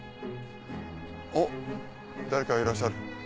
あっ誰かいらっしゃる。